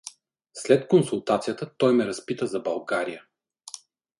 След консултацията той ме разпита за България.